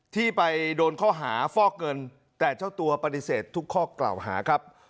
ที่ไปโดนข้อหาฟอกเงินแต่เจ้าตัวปฏิเสธทุกข้อกล่าวหาครับ